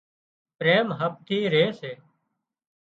پريم هپ ٿِي ري سي